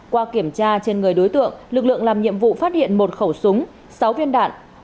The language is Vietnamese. qua kiểm tra trên người đối tượng lực lượng làm nhiệm vụ phát hiện một khẩu súng sáu viên đạn